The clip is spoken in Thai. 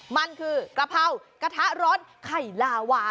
มันคือกะเพรากระทะร้อนไข่ลาวา